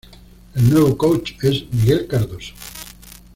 El nuevo coach es Miguel Cardoso.